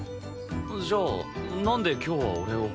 じゃあなんで今日は俺を？